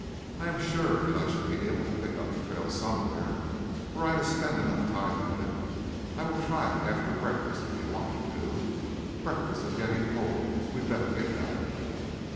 I am sure that I should be able to pick up the trail somewhere were I to spend enough time at it. I will try it after breakfast if you want me to. Breakfast is getting cold. We'd better get back."